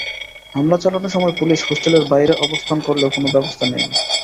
হামলা চালানোর সময় পুলিশ হোস্টেলের বাইরে অবস্থান করলেও কোনো ব্যবস্থা নেয়নি।